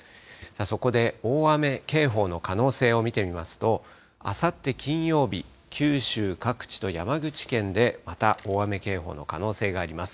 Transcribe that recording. そこで大雨警報の可能性を見てみますと、あさって金曜日、九州各地と山口県でまた大雨警報の可能性があります。